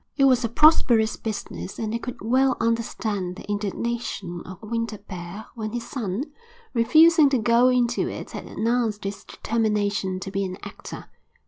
It was a prosperous business and I could well understand the indignation of Winter père when his son, refusing to go into it, had announced his determination to be an actor.